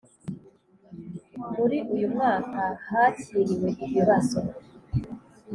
Muri uyu mwaka hakiriwe ibibazo